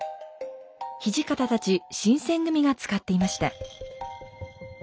土方たち新選組が使っていました。